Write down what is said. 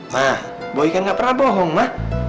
ma boy kan gak pernah bohong ma